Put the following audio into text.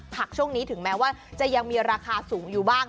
ช่วงนี้ถึงแม้ว่าจะยังมีราคาสูงอยู่บ้าง